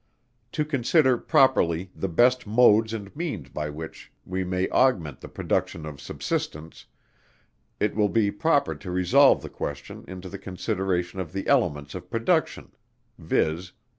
To consider, properly, the best modes and means by which we may augment the production of subsistence, it will be proper to resolve the question into the consideration of the elements of production, viz.